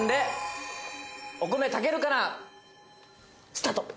「スタート！」